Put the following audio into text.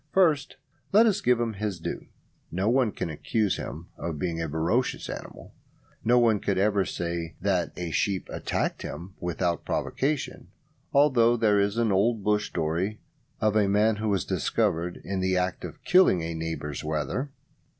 First let us give him his due. No one can accuse him of being a ferocious animal. No one could ever say that a sheep attacked him without provocation; although there is an old bush story of a man who was discovered in the act of killing a neighbour's wether.